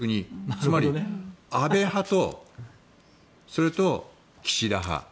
つまり、安倍派とそれと岸田派。